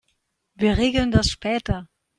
Wir regeln das später.